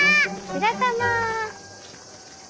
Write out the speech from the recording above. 白玉！